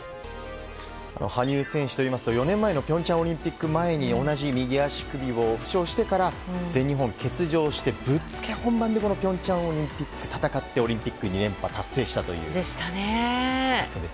羽生選手といいますと４年前の平昌オリンピック前に同じ右足首を負傷してから全日本を欠場してぶっつけ本番で平昌オリンピックを戦ってオリンピック２連覇を達成したという。